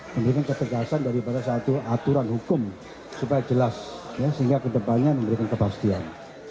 memberikan ketegasan daripada satu aturan hukum supaya jelas sehingga kedepannya memberikan kepastian